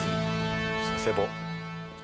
佐世保。